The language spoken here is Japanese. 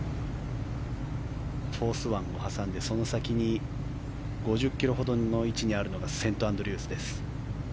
フォース湾を挟んで、その先に５０ｋｍほどの位置にあるのがセントアンドリュースです。